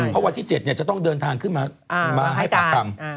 เพราะวันที่๗จะต้องเดินทางขึ้นมาให้ปากคำ